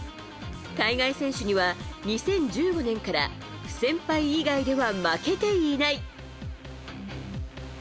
海外選手には２０１５年から不戦敗以外では負けていない。